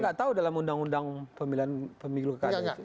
nggak tahu dalam undang undang pemilihan pemilu kali itu